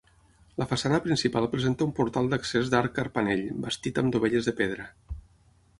La façana principal presenta un portal d'accés d'arc carpanell, bastit amb dovelles de pedra.